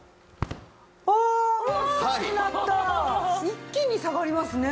一気に下がりますね。